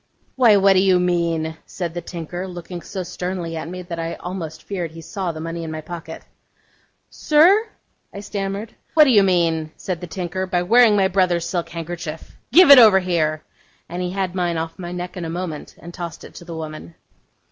'Why, what do you mean?' said the tinker, looking so sternly at me, that I almost feared he saw the money in my pocket. 'Sir!' I stammered. 'What do you mean,' said the tinker, 'by wearing my brother's silk handkerchief! Give it over here!' And he had mine off my neck in a moment, and tossed it to the woman.